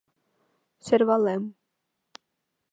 Сӧрвалем...